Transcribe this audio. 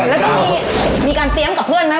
แล้วก็ที่มีการเตรียมกับเพื่อนมั้ย